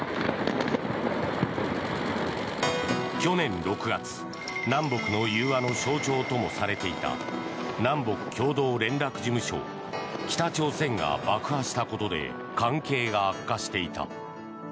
去年６月南北の融和の象徴ともされていた南北共同連絡事務所を北朝鮮が爆破したことで関係が悪化していた。